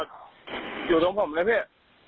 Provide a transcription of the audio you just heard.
รถจอดอยู่ตรงผมเลยพี่